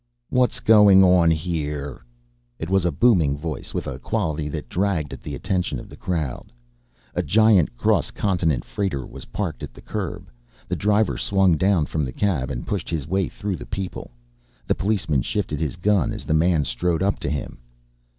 "What's goin' on here...?" It was a booming voice, with a quality that dragged at the attention of the crowd. A giant cross continent freighter was parked at the curb. The driver swung down from the cab and pushed his way through the people. The policeman shifted his gun as the man strode up to him.